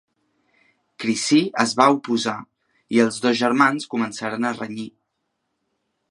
Chrissie es va oposar, i els dos germans començaren a renyir.